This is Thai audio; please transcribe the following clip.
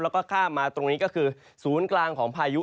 แล้วก็ข้ามมาตรงนี้ก็คือศูนย์กลางของพายุ